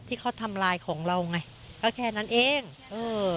ที่เขาทำลายของเราไงก็แค่นั้นเองเออ